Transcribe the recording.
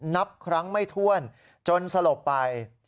นับครั้งไม่ถ้วนจนสลบไป